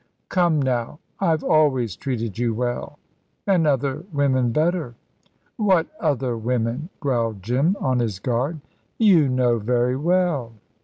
"Come, now, I've always treated you well." "And other women better." "What other women?" growled Jim, on his guard. "You know very well."